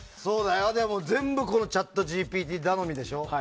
でも全部このＣｈａｔＧＰＴ頼みでしょ？